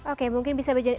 oke mungkin bisa berjalan